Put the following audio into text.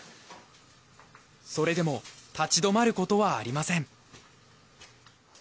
それでも立ち止まる事はありません。